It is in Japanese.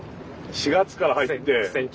４月から入って。